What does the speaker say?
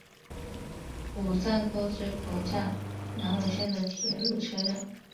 武藏沟之口站南武线的铁路车站。